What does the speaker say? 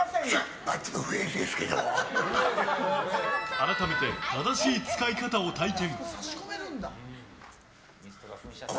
改めて正しい使い方を体験。